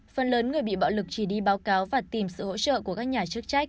phần lớn người bị bạo lực chỉ đi báo cáo và tìm sự hỗ trợ của các nhà chức trách